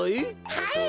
はい。